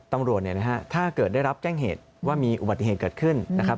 ตำรวจเนี่ยนะฮะถ้าเกิดได้รับแจ้งเหตุว่ามีอุบัติเหตุเกิดขึ้นนะครับ